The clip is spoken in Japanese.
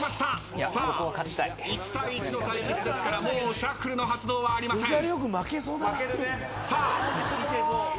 さあ１対１の対決ですからシャッフルの発動はありません。